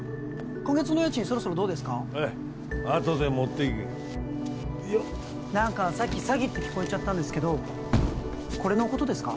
今月のお家賃そろそろどうですかあとで持っていくよっ何かさっき詐欺って聞こえちゃったんですけどこれのことですか？